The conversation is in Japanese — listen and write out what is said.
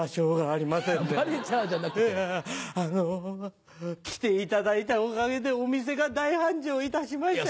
あの来ていただいたおかげでお店が大繁盛いたしました。